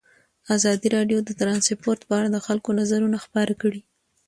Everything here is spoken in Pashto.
ازادي راډیو د ترانسپورټ په اړه د خلکو نظرونه خپاره کړي.